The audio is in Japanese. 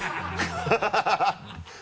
ハハハ